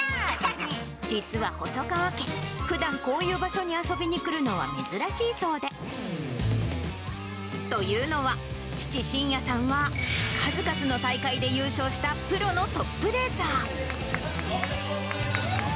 実は細川家、ふだんこういう場所に遊びに来るのは珍しいそうで。というのは、父、慎弥さんは、数々の大会で優勝したプロのトップレーサー。